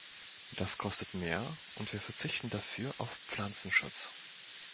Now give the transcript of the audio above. Das kostet mehr, und wir verzichten dafür auf Pflanzenschutz.